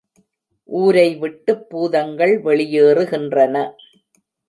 ஊரை விட்டுப் பூதங்கள் வெளியேறுகின்றன.